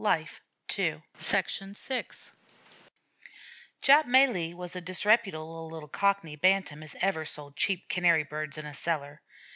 LIFE II VI Jap Malee was as disreputable a little Cockney bantam as ever sold cheap Canary birds in a cellar.